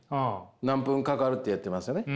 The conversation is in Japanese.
何分かかるって言ってますよね。